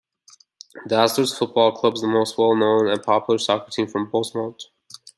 Dazzlers Football Club is the most well-known and popular soccer team from Bosmont.